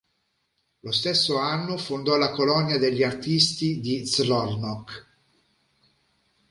Lo stesso anno fondò la colonia degli artisti di Szolnok.